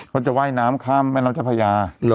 เขาจะไหว้น้ำข้ามแม่น้ำเจ้าพระยา